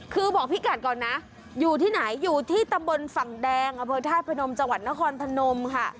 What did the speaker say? คือบอกพี่กัดก่อนนะอยู่ที่ไหนอยู่ที่ตำบลฝั่งแดงอเภอธาตุพนมจังหวัดนครพนมค่ะ